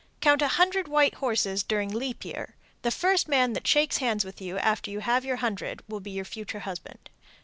Count a hundred white horses during leap year. The first man that shakes hands with you after you have your hundred will be your future husband.